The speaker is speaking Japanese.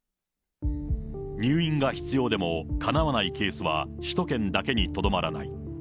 入院が必要でもかなわないケースは首都圏だけにとどまらない。